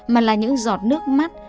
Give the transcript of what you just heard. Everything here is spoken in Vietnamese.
mà là những giọt nước mắt